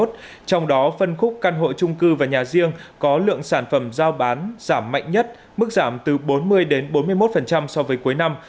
trong đó phân khúc căn hộ trung cư và nhà riêng có lượng sản phẩm giao bán giảm mạnh nhất mức giảm từ bốn mươi đến bốn mươi một so với cuối năm